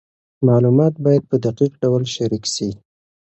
معلومات باید په دقیق ډول شریک سي.